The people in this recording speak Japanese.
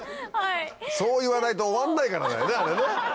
そう言わないと終わんないからだよねあれね。